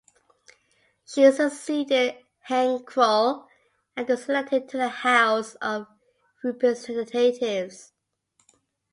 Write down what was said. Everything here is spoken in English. She succeeded Henk Krol and was elected to the House of Representatives.